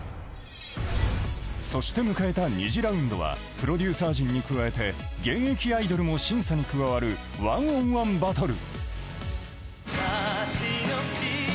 そして迎えた２次ラウンドはプロデューサー陣に加えて現役アイドルも審査に加わる１ｏｎ１バトル。